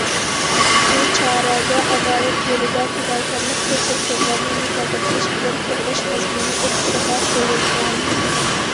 بۇ‹‹ چارە›› دە ئادالەت يولىدا پىداكارلىق كۆرسەتكەنلەرنى مۇكاپاتلاش بىلەن قوغداش مەزمۇنى ئوتتۇرىغا قويۇلغان.